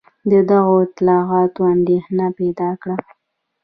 دغو اطلاعاتو اندېښنه پیدا کړه.